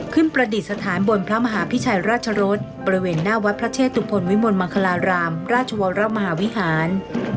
ประดิษฐานบนพระมหาพิชัยราชรสบริเวณหน้าวัดพระเชตุพลวิมลมังคลารามราชวรมหาวิหาร